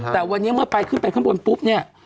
แต่วันนี้เมื่อไปขึ้นไปข้างบนปุ๊บเนี่ย